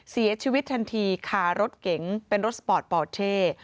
เสียชีวิตทันทีค่ะรถเก๋งเป็นรถสปอร์ตปอร์เท่